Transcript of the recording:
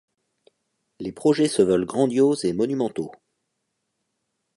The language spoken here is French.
Les projets se veulent grandioses et monumentaux.